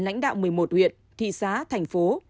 lãnh đạo một mươi một huyện thị xã thành phố